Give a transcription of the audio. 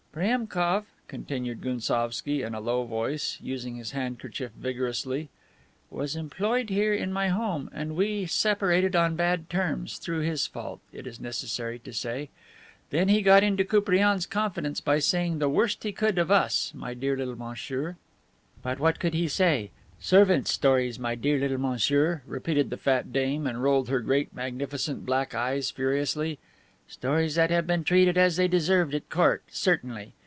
"Priemkof," continued Gounsovski in a low voice, using his handkerchief vigorously, "was employed here in my home and we separated on bad terms, through his fault, it is necessary to say. Then he got into Koupriane's confidence by saying the worst he could of us, my dear little monsieur." "But what could he say? servants' stories! my dear little monsieur," repeated the fat dame, and rolled her great magnificent black eyes furiously. "Stories that have been treated as they deserved at Court, certainly.